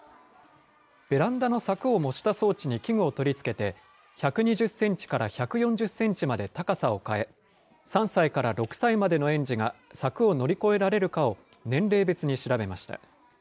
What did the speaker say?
ベランダの柵を模した装置に器具を取り付けて、１２０センチから１４０センチまで高さを変え、３歳から６歳までの園児が柵を乗り越えられるかを年齢別に調べました。